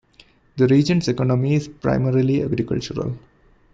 The region's economy is primarily agricultural.